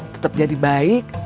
tetap jadi baik